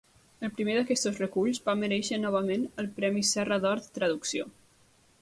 El primer d'aquests reculls va merèixer novament el Premi Serra d'Or de traducció.